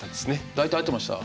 大体合ってました？